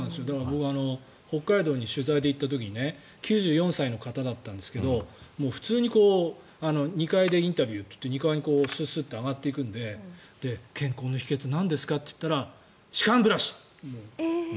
北海道に取材で行った時９４歳の方だったんですけど普通に２階でインタビューを撮って２階にすっすって上がっていくので健康の秘けつはなんですか？って言ったら歯間ブラシ。